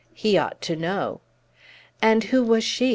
He ought to know." "And who was she?"